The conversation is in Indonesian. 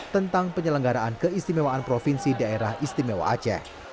tentang penyelenggaraan keistimewaan provinsi daerah istimewa aceh